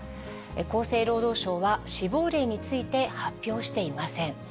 厚生労働省は死亡例について発表していません。